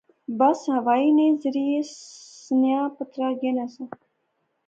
بس ہوائی نے ذریعے سنیاہ پترا گینا سا